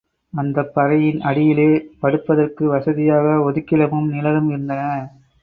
அந்தப் பறையின் அடியிலே படுப்பதற்கு வசதியாக ஒதுக்கிடமும் நிழலும் இருந்தன.